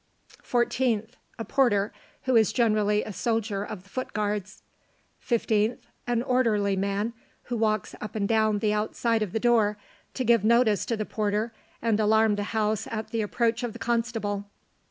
14th. A PORTER, who is generally a soldier of the Foot Guards. 15th. An ORDERLY MAN, who walks up and down the outside of the door, to give notice to the porter, and alarm the house at the approach of the constable.